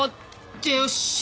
おっしゃ！